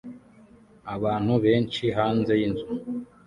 Abantu benshi hanze yinzu